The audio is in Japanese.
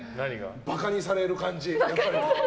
馬鹿にされる感じ。